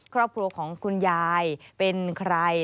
ครอบครัวของคุณยายเป็นใคร